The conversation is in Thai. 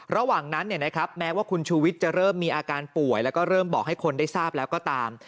ระหว่างนั้นแม้ว่าคุณชูวิทย์จะเริ่มมีอาการป่วยแล้วก็เริ่มบอกให้คนได้ทราบแล้วก็ตาม